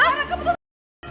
sekarang kamu tuh